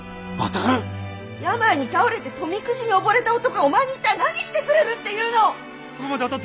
病に倒れて富くじに溺れた男がお前に一体何してくれるって言うの！